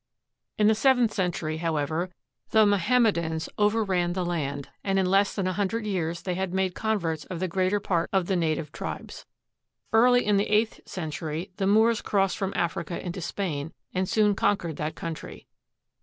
In the seventh century, however, the Mohanmiedans overran the land; and in less than a hundred years they had made converts of the greater part of the native tribes. Early in the eighth century the Moors crossed from Africa into Spain, and soon conquered that country.